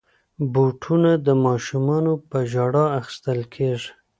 بوټونه د ماشومانو په ژړا اخیستل کېږي.